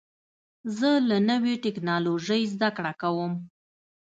زه له نوې ټکنالوژۍ زده کړه کوم.